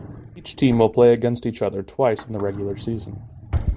Each team will play against each other twice in the regular season.